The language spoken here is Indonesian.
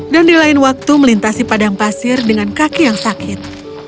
dan di lain waktu melintasi padang pasir dengan kaki yang sakit